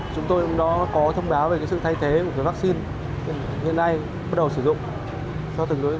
chúng tôi cũng có thông báo về sự thay thế của vaccine hiện nay bắt đầu sử dụng